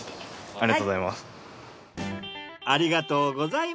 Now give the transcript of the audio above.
ありがとうございます。